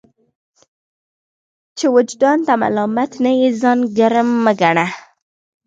چي وجدان ته ملامت نه يې ځان ګرم مه ګڼه!